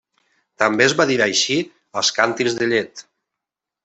També es va dir així als càntirs de llet.